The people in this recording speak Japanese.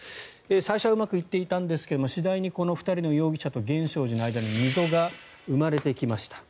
最初はうまくいっていたんですが最大にこの２人の容疑者と源証寺の間に溝が生まれていきました。